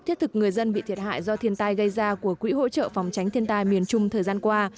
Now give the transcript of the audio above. thiết thực người dân bị thiệt hại do thiên tai gây ra của quỹ hỗ trợ phòng tránh thiên tai miền trung thời gian qua